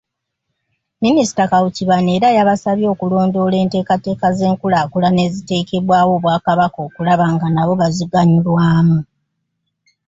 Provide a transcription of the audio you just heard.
Minisita Kawuki bano era abasabye okulondoola enteekateeka z'enkulaakulana eziteekebwawo Obwakabaka okulaba nga nabo baziganyulwamu.